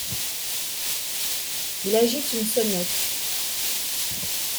Il agite une sonnette.